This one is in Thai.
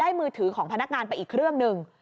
มือถือของพนักงานไปอีกเครื่องหนึ่ง